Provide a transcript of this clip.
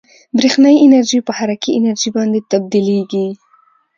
برېښنايي انرژي په حرکي انرژي باندې تبدیلیږي.